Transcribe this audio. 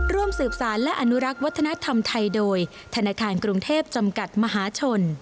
ร่วมสืบสารและอนุรักษ์วัฒนธรรมไทยโดยธนาคารกรุงเทพจำกัดมหาชน